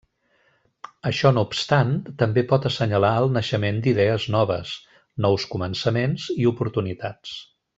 Això no obstant, també pot assenyalar el naixement d’idees noves, nous començaments i oportunitats.